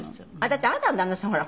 だってあなたの旦那さんほら